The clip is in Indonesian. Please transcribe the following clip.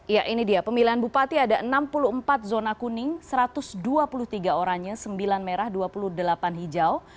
ya ini dia pemilihan bupati ada enam puluh empat zona kuning satu ratus dua puluh tiga oranye sembilan merah dua puluh delapan hijau